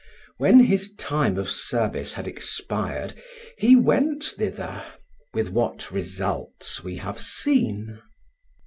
When his time of service had expired, he went thither, with what results we have seen.